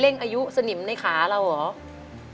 เพลงที่๑มูลค่า๑๐๐๐๐บาท